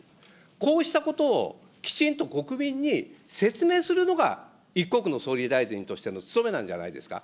こうしたことをきちんと国民に説明するのが、一国の総理大臣としての務めなんじゃないですか。